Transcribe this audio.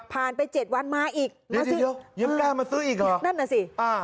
ผ่านไปเจ็ดวันมาอีกเดี๋ยวมาซื้ออีกเหรอนั่นน่ะสิอ่า